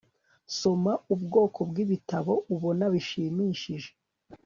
Soma ubwoko bwibitabo ubona bishimishije